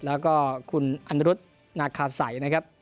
แล้วก็คุณอนุรุษนาคาสัยนะครับ